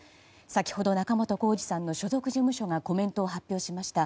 先ほど、仲本工事さんの所属事務所がコメントを発表しました。